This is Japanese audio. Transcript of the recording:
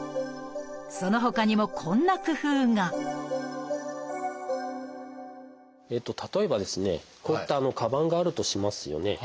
そのほかにもこんな工夫が例えばですねこういったかばんがあるとしますよね。